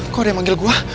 kok ada yang manggil gue